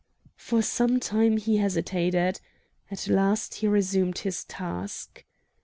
For some time he hesitated. At last he resumed his task.